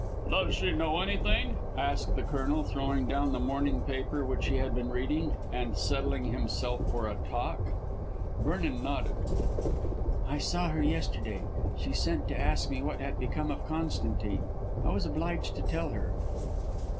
"Does she know anything?" asked the Colonel, throwing down the morning paper which he had been reading and settling himself for a talk. Vernon nodded. "I saw her yesterday. She sent to ask me what had become of Constantine. I was obliged to tell her."